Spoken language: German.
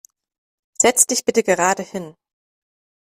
Setz dich bitte gerade hin!